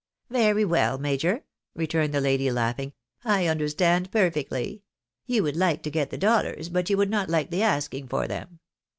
"Very well, major," returned the lady, laughing, "I under stand perfectly. You would like to get the dollars, but you would not like the asking for them.